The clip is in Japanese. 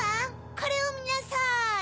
これをみなさい。